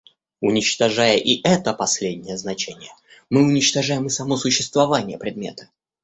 Уничтожая и это последнее значение, мы уничтожаем и само существование предмета.